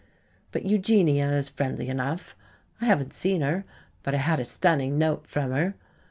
But Eugenia is friendly enough. I haven't seen her, but I had a stunning note from her.